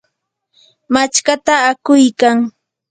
machkata akuykan.